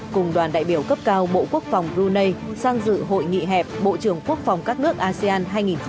cùng đoàn đại biểu cấp cao bộ quốc phòng brunei sang dự hội nghị hẹp bộ trưởng quốc phòng các nước asean hai nghìn hai mươi